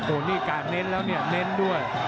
โอ้โหนี่กาดเน้นแล้วเนี่ยเน้นด้วย